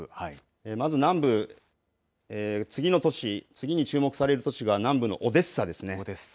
まず南部、次の都市、次に注目される都市が南部のオデッサですね。